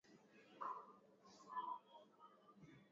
Maskwota walipewa mashamba madogo baada ya kuwafanyia kazi